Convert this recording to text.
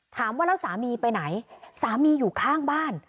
ถามว่าแล้วสามีไปไหนสามีอยู่ข้างบ้าน